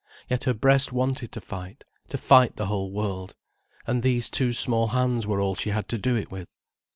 Yet her breast wanted to fight, to fight the whole world. And these two small hands were all she had to do it with.